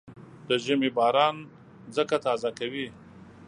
د ژمي باران ځمکه تازه کوي.